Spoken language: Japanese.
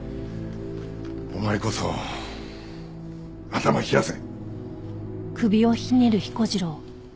お前こそ頭冷やせ！